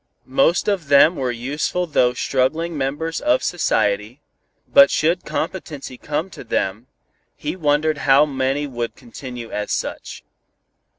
Most of them were useful though struggling members of society, but should competency come to them, he wondered how many would continue as such.